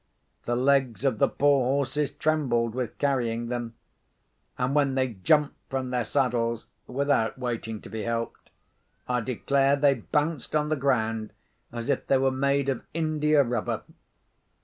The legs of the poor horses trembled with carrying them; and when they jumped from their saddles (without waiting to be helped), I declare they bounced on the ground as if they were made of india rubber.